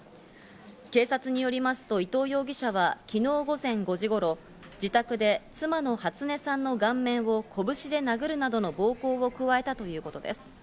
警察によりますと、伊藤容疑者は昨日午前５時頃、自宅で妻の初音さんの顔面を拳で殴るなどの暴行を加えたということです。